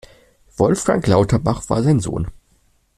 Wolfgang Lauterbach war sein Sohn.